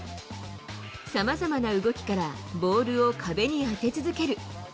さまざまな動きからボールを壁に当て続ける。